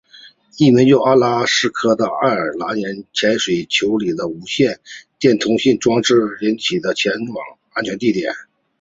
一名叫阿特拉斯的爱尔兰人用潜水球里的无线电通信装置指引杰克前往安全地点。